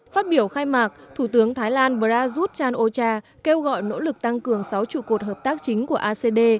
phát biểu khai mạc thủ tướng thái lan prayuth chan o cha kêu gọi nỗ lực tăng cường sáu trụ cột hợp tác chính của acd